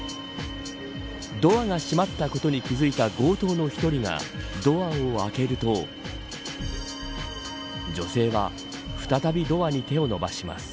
ドアが閉まったことに気付いた強盗の１人がドアを開けると女性は再びドアに手を伸ばします。